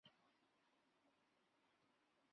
又派元行钦杀死刘仁恭的其他儿子们。